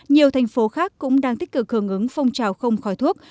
nhiều thành phố khác cũng đang tích cực hưởng ứng phong trào không khói thuốc